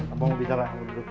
apa mau bicara